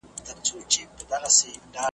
روح دې ښاد وي.